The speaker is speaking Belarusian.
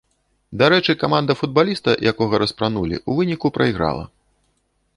Дарэчы, каманда футбаліста, якога распранулі, у выніку прайграла.